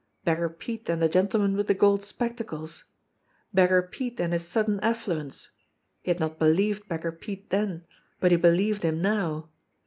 Beggar Pete and the gentleman with the gold spectacles! Beggar Pete and his sudden affluence! He had not believed Beggar Pete then, but he believed him now.